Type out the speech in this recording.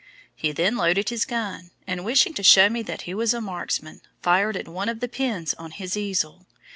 He then loaded his gun, and wishing to show me that he was a marksman, fired at one of the pins on his easel.